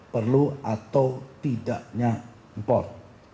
perlu atau tidaknya impor